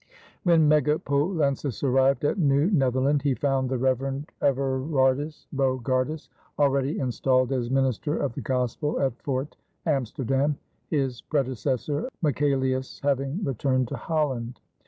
When Megapolensis arrived at New Netherland he found the Reverend Everardus Bogardus already installed as minister of the Gospel at Fort Amsterdam, his predecessor Michaelius having returned to Holland.